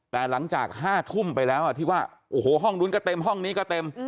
แต่หลังจาก๕ทุ่มไปแล้วที่ว่าโอ้โหห้องนู้นก็เต็มห้องนี้ก็เต็ม